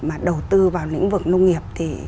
mà đầu tư vào lĩnh vực nông nghiệp